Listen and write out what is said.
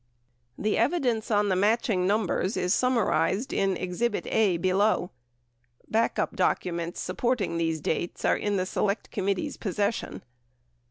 93 The evidence on the matching numbers is summarized in exhibit A below. Backup documents supporting these dates are in the Select Committee's possession.